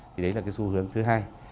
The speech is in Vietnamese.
thì đấy là cái xu hướng thứ hai